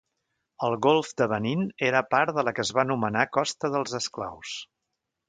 El Golf de Benín era part de la que es va anomenar Costa dels Esclaus.